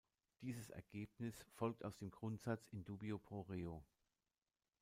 Dieses Ergebnis folgt aus dem Grundsatz In dubio pro reo.